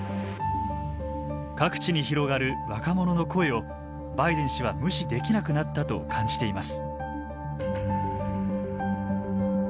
各地に広がる若者の声をバイデン氏は無視できなくなったと感じています。